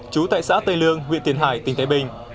chú tại xã tây lương huyện tiền hải tỉnh tây bình